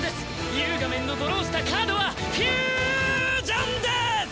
ユーガメンのドローしたカードはフュージョンです！